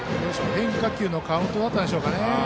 変化球のカウントだったんでしょうか。